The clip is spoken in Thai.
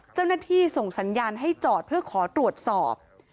เจ้าหน้าที่ส่งสัญญาณให้จอดเพื่อขอตรวจสอบ